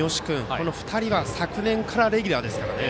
この２人は昨年からレギュラーですからね。